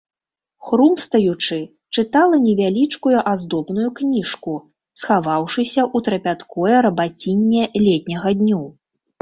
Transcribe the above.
Хрумстаючы, чытала невялічкую аздобную кніжку, схаваўшыся ў трапяткое рабацінне летняга дню.